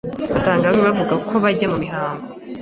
ugasanga bamwe bavuga ngo bajya mu mihango